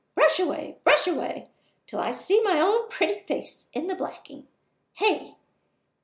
Brush away! brush away! till I see my own pretty face in the blacking. Hey!